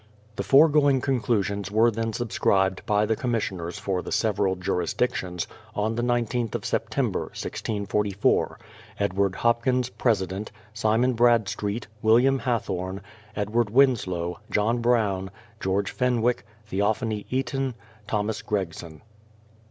The foregoing conclusions were then subscribed by the commissioners for the several jurisdictions, on the 19th of Sept., 1644: Edward Hopkins, President; Simon Brad street, William Hathorne, Edward Winslow, John Brown, George Fenwick, Theoph. Eaton, Thomas Gregson.